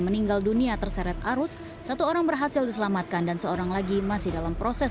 meninggal dunia terseret arus satu orang berhasil diselamatkan dan seorang lagi masih dalam proses